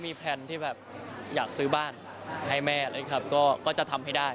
มีแพลนที่แบบอยากซื้อบ้านให้แม่เลยครับก็จะทำให้ได้